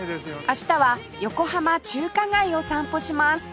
明日は横浜中華街を散歩します